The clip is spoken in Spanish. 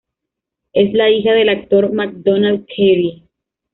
Es la hija del actor Macdonald Carey.